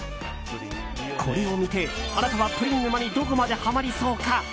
これを見てあなたはプリン沼にどこまでハマりそうか。